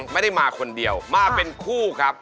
ไม่ได้มาคนเดียวมาเป็นคู่ครับ